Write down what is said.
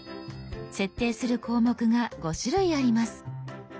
設定する項目が５種類あります。